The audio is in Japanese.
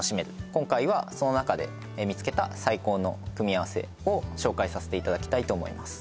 今回はその中で見つけた最高の組み合わせを紹介させていただきたいと思います